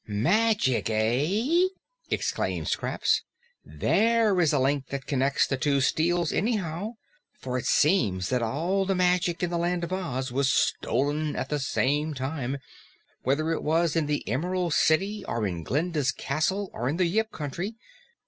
"Magic, eh?" exclaimed Scraps. "THERE is a link that connects the two steals, anyhow, for it seems that all the magic in the Land of Oz was stolen at the same time, whether it was in the Emerald City of in Glinda's castle or in the Yip Country.